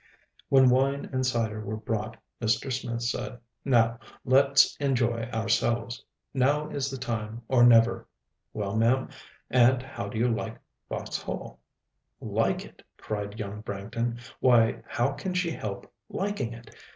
When wine and cyder were brought, Mr. Smith said, "Now let's enjoy ourselves; now is the time, or never. Well, ma'am, and how do you like Vauxhall?" "Like it!" cried young Branghton; "why, how can she help liking it?